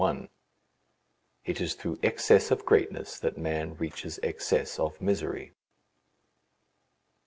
IT IS THROUGH EXCESS OF GREATNESS THAT MAN REACHES EXCESS OF MISERY.